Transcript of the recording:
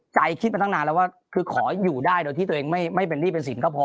คิดมาตั้งนานแล้วว่าคือขออยู่ได้โดยที่ตัวเองไม่เป็นหนี้เป็นสินก็พอ